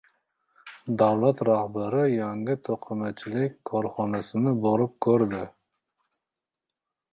Davlat rahbari yangi to‘qimachilik korxonasini borib ko‘rdi